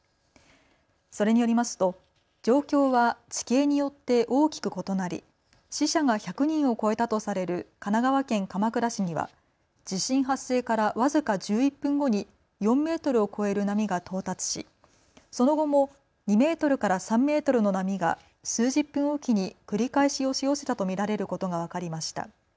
それによりますと状況は地形によって大きく異なり、死者が１００人を超えたとされる神奈川県鎌倉市には地震発生から僅か１１分後に４メートルを超える波が到達しその後も２メートルから３メートルの波が数十分置きに繰り返し押し寄せたと見られることが分かりました。